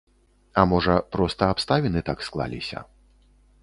А можа, проста абставіны так склаліся.